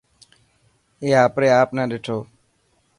اي آپري آپ نا ڏٺو.